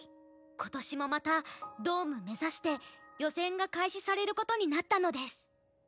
今年もまたドーム目指して予選が開始される事になったのです。